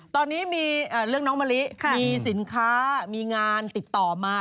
ตอนนี้มีเรื่องน้องมะลิมีสินค้ามีงานติดต่อมา